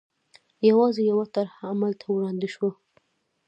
یوازې یوه طرحه عمل ته وړاندې شوه.